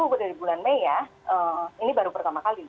udah di bulan mei ya ini baru pertama kali